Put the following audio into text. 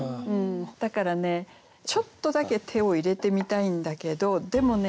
だからねちょっとだけ手を入れてみたいんだけどでもね